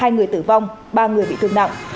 hai người tử vong ba người bị thương nặng